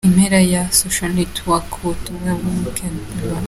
Impera ya {socialnetworck} ubutumwa bwa keithlemon.